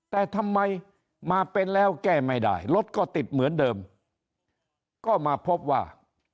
แต่ทำไมมาเป็นแล้วแก้ไม่ได้รถก็ติดเหมือนเดิมก็มาพบว่า